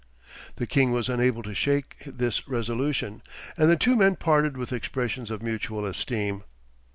The king was unable to shake this resolution, and the two men parted with expressions of mutual esteem.